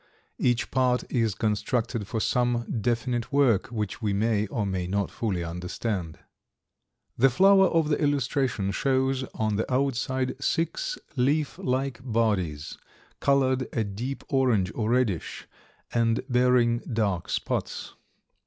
Each part is constructed for some definite work, which we may or may not fully understand. The flower of the illustration shows on the outside six leaf like bodies, colored a deep orange or reddish, and bearing dark spots.